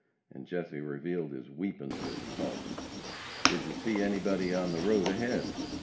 And Jesse revealed his "weepons" as he called them. "Did you see anybody on the road ahead?"